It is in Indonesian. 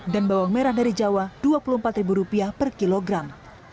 dan bawang merah dari jawa rp dua puluh empat per kilogram